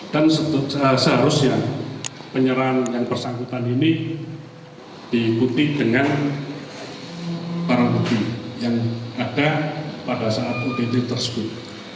dan seharusnya penyerahan yang persangkutan ini diikuti dengan para bukti yang ada pada saat hukum tersebut